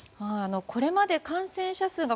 これまで感染者数が